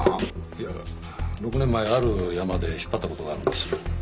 いや６年前あるヤマで引っ張ったことがあるんです